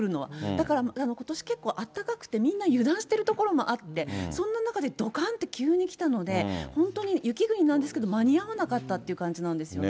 だから、ことし結構あったかくて、みんな油断してるところもあって、そんな中でどかんって急にきたので、本当に雪国なんですけれども、間に合わなかったっていう感じなんですよね。